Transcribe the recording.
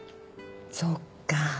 そっか。